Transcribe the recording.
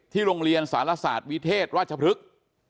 โรงเรียนสารศาสตร์วิเทศราชพฤกษ์